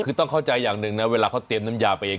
คือต้องเข้าใจอย่างหนึ่งนะเวลาเขาเตรียมน้ำยาไปเอง